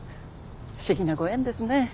不思議なご縁ですね。